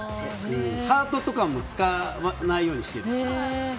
ハートとかも使わないようにしてるし。